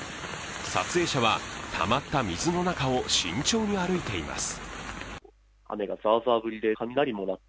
撮影者はたまった水の中を慎重に歩いています。